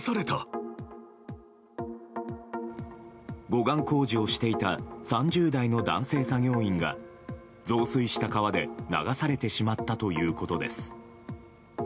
護岸工事をしていた３０代の男性作業員が増水した川で流されてしまったということです。